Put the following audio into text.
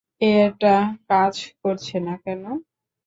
এটা কাজ করছে না কেন?